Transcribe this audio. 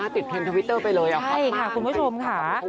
ติดเพลงทวิตเตอร์ไปเลยอะครับใช่ค่ะคุณผู้ชมค่ะ